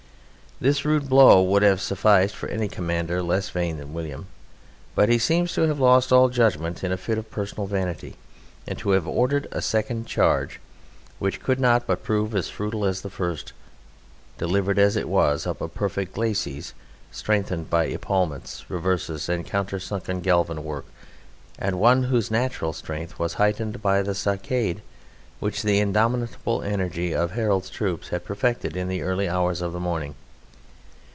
This rude blow would have sufficed for any commander less vain than William, but he seems to have lost all judgment in a fit of personal vanity and to have ordered a second charge which could not but prove as futile as the first, delivered as it was up a perfect glacis strengthened by epaulements, reverses and countersunk galvon work and one whose natural strength was heightened by the stockade which the indomitable energy of Harold's troops had perfected in the early hours of the morning.